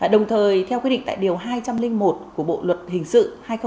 đồng thời theo quy định tại điều hai trăm linh một của bộ luật hình sự hai nghìn một mươi năm